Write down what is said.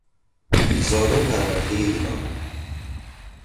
زاده و پروردهی ایران